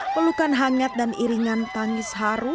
pelukan hangat dan iringan tangis haru